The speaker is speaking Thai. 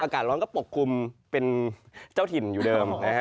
อากาศร้อนก็ปกคลุมเป็นเจ้าถิ่นอยู่เดิมนะฮะ